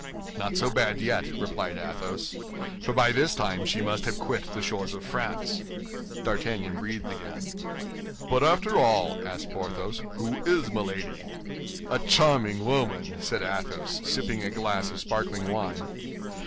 "Not so bad yet," replied Athos; "for by this time she must have quit the shores of France." D'Artagnan breathed again. "But after all," asked Porthos, "who is Milady?" "A charming woman!" said Athos, sipping a glass of sparkling wine.